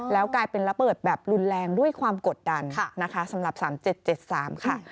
แล้วกลายเป็นระเบิดแบบรุนแรงด้วยความกดดันนะคะสำหรับ๓๗๗๓ค่ะ